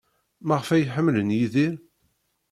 Maɣef ay ḥemmlen Yidir?